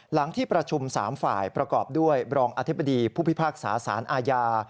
หลังที่ประชุม๓ฝ่ายประกอบด้วยรองอธิบดีผู้พิพากษาสารอาญา